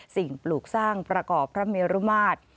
สิ่งปลูกสร้างประกอบพระเมรุมาตร